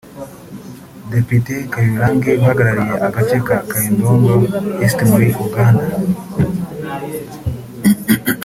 Depite Kyagulanyi uhagarariye Agace ka Kyadondo East muri Uganda